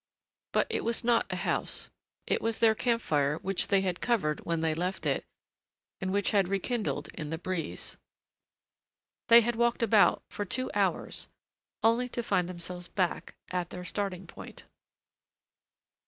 But it was not a house: it was their camp fire which they had covered when they left it, and which had rekindled in the breeze. They had walked about for two hours, only to find themselves back at their starting point.